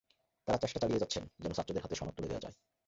তাঁরা চেষ্টা চালিয়ে যাচ্ছেন যেন ছাত্রদের হাতে সনদ তুলে দেওয়া যায়।